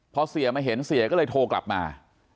พอเสียมาเห็นเสียก็เลยโทรกลับมา